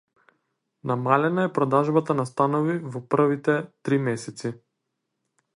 Намалена е продажбата на станови во првите три месеци